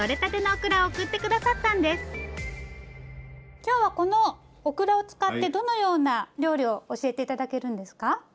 今日はこのオクラを使ってどのような料理を教えて頂けるんですか？